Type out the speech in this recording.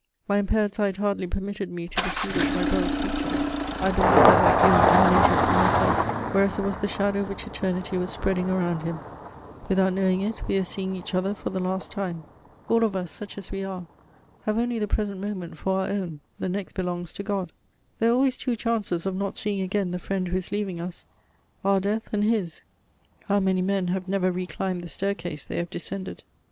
My impaired sight hardly permitted me to distinguish my brother's features; I believed that that gloom emanated from myself, whereas it was the shadow which Eternity was spreading around him: without knowing it, we were seeing each other for the last time. All of us, such as we are, have only the present moment for our own: the next belongs to God; there are always two chances of not seeing again the friend who is leaving us: our death and his. How many men have never reclimbed the staircase they have descended!